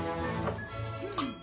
うん。